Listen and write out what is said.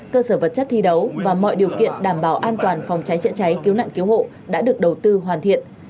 cơ sở vật chất thi đấu và mọi điều kiện đảm bảo an toàn phòng cháy chữa cháy cứu nạn cứu hộ đã được đầu tư hoàn thiện